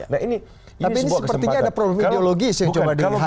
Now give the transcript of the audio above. tapi ini sepertinya ada problem ideologis yang coba dilihat